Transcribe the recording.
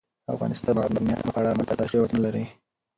افغانستان د بامیان په اړه مشهور تاریخی روایتونه لري.